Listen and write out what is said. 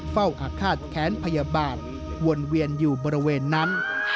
อาฆาตแค้นพยาบาลวนเวียนอยู่บริเวณนั้น